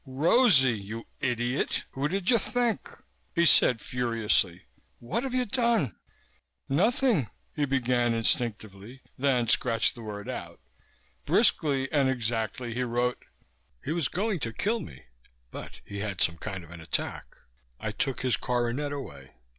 "Rosie, you idiot, who did you think?" he said furiously. "What have you done?" Nothing, he began instinctively, then scratched the word out. Briskly and exactly he wrote: _He was going to kill me, but he had some kind of an attack. I took his coronet away.